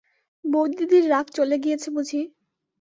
বৌদিদির রাগ চলে গিয়েছে বুঝি?